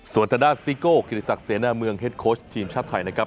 ส่วนตระดาษซีโก้คิติศักดิ์เสียหน้าเมืองเฮ็ดโค้ชทีมชาวไทยนะครับ